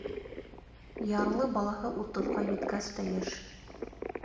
Ярлы балаһы утыҙға еткәс тә йәш.